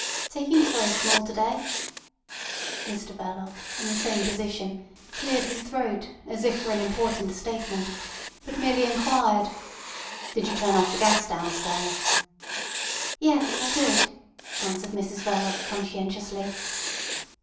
"Takings very small to day." Mr Verloc, in the same position, cleared his throat as if for an important statement, but merely inquired: "Did you turn off the gas downstairs?" "Yes; I did," answered Mrs Verloc conscientiously.